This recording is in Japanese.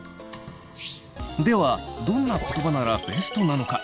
ではどんな言葉ならベストなのか？